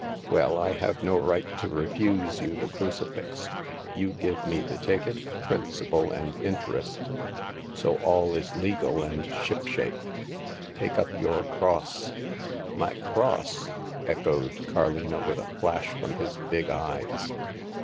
Well, I have no right to refuse you the crucifix. You give me the ticket, principal, and interest, so all is legal and shipshape. Take up your cross." My cross !" echoed Carlino, with a flash from his big eyes.